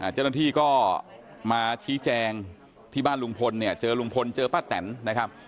เจ้าหน้าที่ก็มาชี้แจงที่บ้านลุงพลเนี่ยเจอลุงพลเจอป้าแตนนะครับ